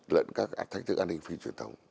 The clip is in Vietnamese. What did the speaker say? lẫn các thách thức an ninh phi truyền thống